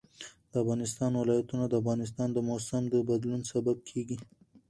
د افغانستان ولايتونه د افغانستان د موسم د بدلون سبب کېږي.